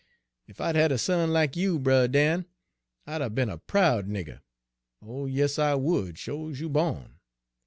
Ef I'd 'a' had a son lack you, Brer Dan, I'd 'a' be'n a proud nigger; oh, yes, I would, sho's you bawn.